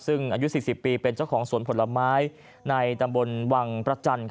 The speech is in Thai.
ซึ่งอายุ๔๐ปีเป็นเจ้าของสวนผลไม้ในตำบลวังประจันทร์